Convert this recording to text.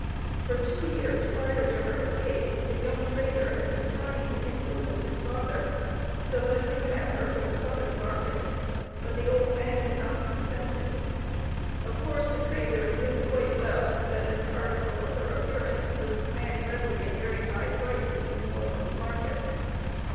For two years prior to her escape, the young trader had been trying to influence his father to let him have her for the Southern market; but the old man had not consented. Of course the trader knew quite well, that an "article" of her appearance would command readily a very high price in the New Orleans market.